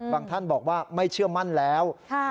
ท่านบอกว่าไม่เชื่อมั่นแล้ว